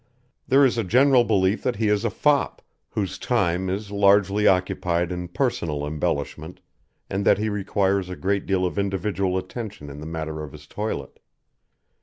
There is a general belief that he is a fop, whose time is largely occupied in personal embellishment, and that he requires a great deal of individual attention in the matter of his toilet.